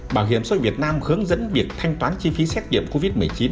bảo hiểm sôi việt nam hướng dẫn việc thanh toán chi phí xét nghiệm covid một mươi chín